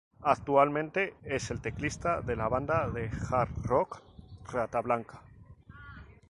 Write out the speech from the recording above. Actualmente es el tecladista de la banda de hard rock Rata Blanca.